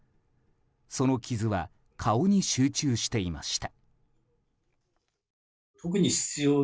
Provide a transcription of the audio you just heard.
その傷は顔に集中していました。